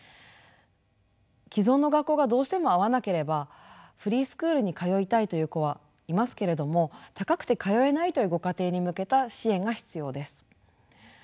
既存の学校がどうしても合わなければフリースクールに通いたいという子はいますけれども高くて通えないというご家庭に向けた支援が必要です。